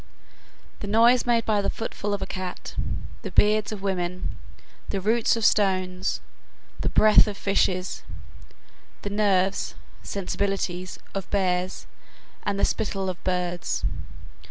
the noise made by the footfall of a cat, the beards of women, the roots of stones, the breath of fishes, the nerves (sensibilities) of bears, and the spittle of birds.